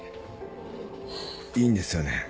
いいんですよね？